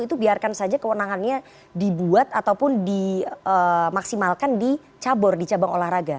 itu biarkan saja kewenangannya dibuat ataupun dimaksimalkan di cabur di cabang olahraga